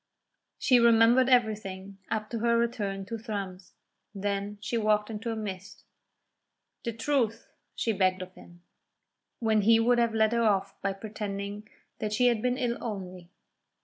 She remembered everything up to her return to Thrums; then she walked into a mist. "The truth," she begged of him, when he would have led her off by pretending that she had been ill only.